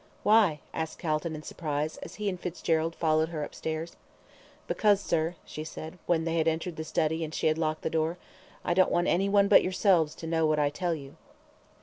"Why?" asked Calton, in surprise, as he and Fitzgerald followed her up stairs. "Because, sir," she said, when they had entered the study and she had locked the door, "I don't want any one but yourselves to know what I tell you."